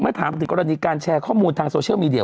ถามถึงกรณีการแชร์ข้อมูลทางโซเชียลมีเดีย